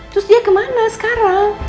terus dia kemana sekarang